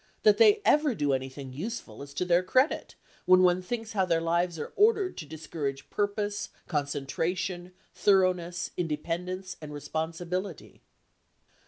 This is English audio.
That they ever do anything useful is to their credit, when one thinks how their lives are ordered to discourage purpose, concentration, thoroughness, independence and responsibility.